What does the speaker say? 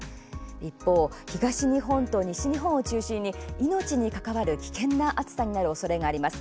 一方、東日本と西日本を中心に命に関わる危険な暑さになるおそれがあります。